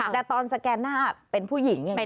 แต่ตอนสแกนหน้าเป็นผู้หญิงยังไง